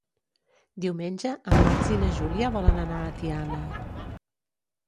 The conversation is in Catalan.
Diumenge en Max i na Júlia volen anar a Tiana.